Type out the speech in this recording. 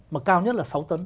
mà cao nhất là sáu tấn